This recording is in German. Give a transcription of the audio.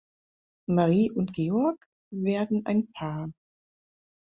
Marie und Georg werden ein Paar.